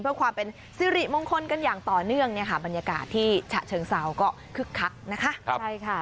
เพื่อความเป็นซิริมงคลกันอย่างต่อเนื่องบรรยากาศที่ฉะเชิงเศร้าก็คึกคักนะคะ